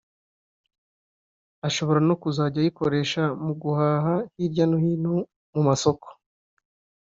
ashobora no kuzajya ayikoresha mu guhaha hirya no hino mu masoko